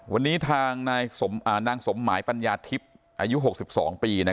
วันนี้ทางนางสมหมายปัญญาทิพย์อายุ๖๒ปี